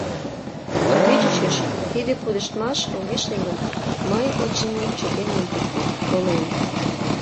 Туге чучеш, тиде пудештмаш огеш лий гын, мый, очыни, чытен ом турко, колем.